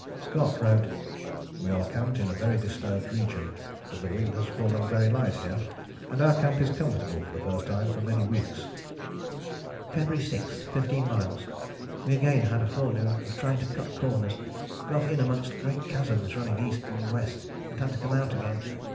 [Scott wrote: "We are camped in a very disturbed region, but the wind has fallen very light here, and our camp is comfortable for the first time for many weeks."] "February 6. 15 miles. We again had a forenoon of trying to cut corners. Got in amongst great chasms running E. and W. and had to come out again.